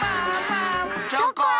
チョコン！